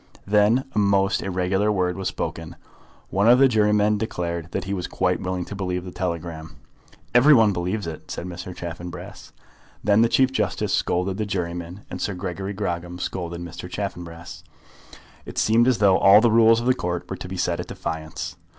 Then a most irregular word was spoken. One of the jurymen declared that he was quite willing to believe the telegram. "Every one believes it," said Mr. Chaffanbrass. Then the Chief Justice scolded the juryman, and Sir Gregory Grogram scolded Mr. Chaffanbrass. It seemed as though all the rules of the Court were to be set at defiance.